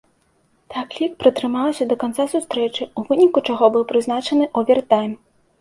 Такі лік пратрымаўся да канца сустрэчы, у выніку чаго быў прызначаны овертайм.